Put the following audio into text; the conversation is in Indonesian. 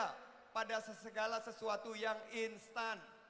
jangan mudah tergoda pada sesuatu yang instan